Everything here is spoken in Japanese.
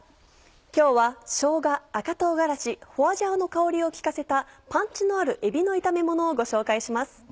今日はしょうが赤唐辛子花椒の香りを利かせたパンチのあるえびの炒めものをご紹介します。